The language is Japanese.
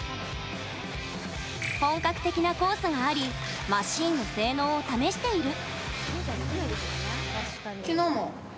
本格的なコースがありマシーンの性能を試している。